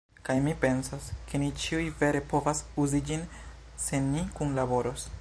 Kaj mi pensas, ke ni ĉiuj vere povas uzi ĝin, se ni kunlaboros.